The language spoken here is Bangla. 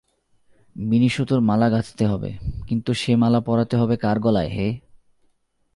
বিনি-সুতোর মালা গাঁথতে হবে, কিন্তু সে মালা পরাতে হবে কার গলায় হে?